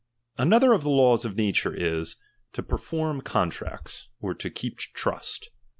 Another of the laws of nature is, to perform chap, nr.i contracts, or to keep trust.